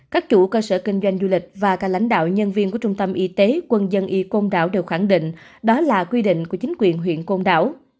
các chủ cơ sở kinh doanh du lịch và cả lãnh đạo nhân viên của trung tâm y tế quân dân y côn đảo đều khẳng định đó là quy định của chính quyền huyện côn đảo